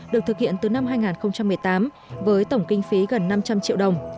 được thực hiện từ năm hai nghìn một mươi tám với tổng kinh phí gần năm trăm linh triệu đồng